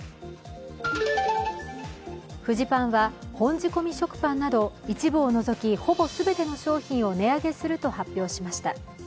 フジパンは本仕込食パンなど一部を除き、ほぼ全ての商品を値上げすると発表しました。